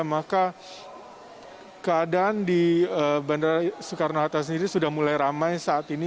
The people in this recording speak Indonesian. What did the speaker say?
maka keadaan di bandara soekarno hatta sendiri sudah mulai ramai saat ini